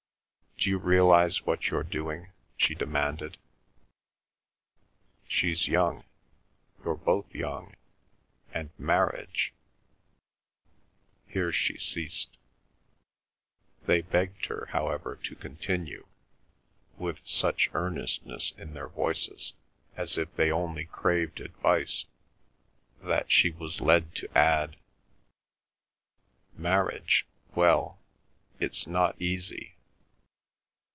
"D'you realise what you're doing?" she demanded. "She's young, you're both young; and marriage—" Here she ceased. They begged her, however, to continue, with such earnestness in their voices, as if they only craved advice, that she was led to add: "Marriage! well, it's not easy."